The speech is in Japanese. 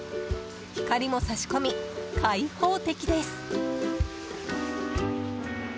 光も差し込み、開放的です。